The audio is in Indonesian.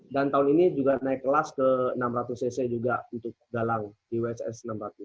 dan tahun ini juga naik kelas ke enam ratus cc juga untuk galang di wss enam ratus